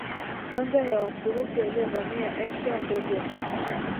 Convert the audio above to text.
kwanza ya Waturuki waliovamia Asia Ndogo na